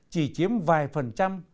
chỉ chiếm vài phần trăm